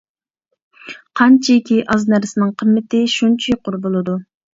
قانچىكى ئاز نەرسىنىڭ قىممىتى شۇنچە يۇقىرى بولىدۇ.